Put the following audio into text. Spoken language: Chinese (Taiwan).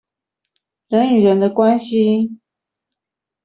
人與人的關係